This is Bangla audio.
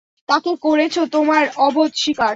তাকে করেছ তোমার অবোধ শিকার!